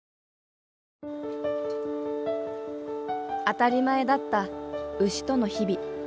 当たり前だった牛との日々。